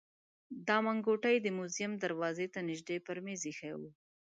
دا منګوټی د موزیم دروازې ته نژدې پر مېز ایښی و.